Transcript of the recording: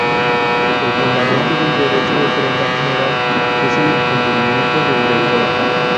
El fundamento del derecho de prenda general es el incumplimiento del deudor.